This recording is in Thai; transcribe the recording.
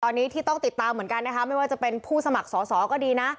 ตอนนี้ที่ต้องติดตามเหมือนกันนะคะไม่ว่าจะเป็นผู้สมัครสอสอก็ดีนะ